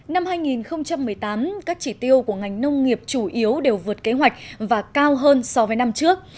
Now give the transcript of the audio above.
năm hai nghìn một mươi tám các chỉ tiêu của ngành nông nghiệp chủ yếu đều vượt kế hoạch và cao hơn so với năm trước